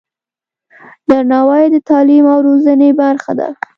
درناوی د تعلیم او روزنې برخه ده.